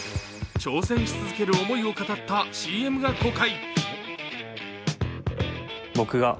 挑戦し続ける思いを語ったＣＭを公開。